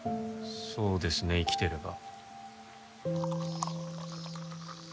そうですね生きてれば。